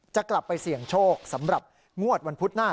จะกลับไปเสี่ยงโชคสำหรับงวดวันพุธหน้า